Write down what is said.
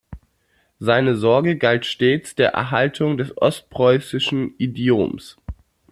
Seine Sorge galt stets der Erhaltung des ostpreußischen Idioms.